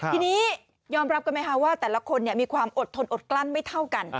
ทีนี้ยอมรับกันไหมคะว่าแต่ละคนมีความอดทนอดกลั้นไม่เท่ากัน